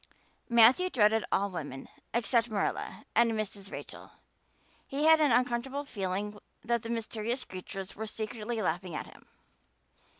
Matthew dreaded all women except Marilla and Mrs. Rachel; he had an uncomfortable feeling that the mysterious creatures were secretly laughing at him.